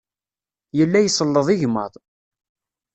Yella iselleḍ igmaḍ.